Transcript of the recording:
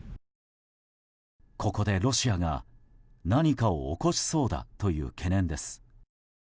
ここでロシアが何かを起こしそうだという懸念です。